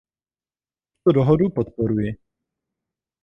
Tuto dohodu podporuji.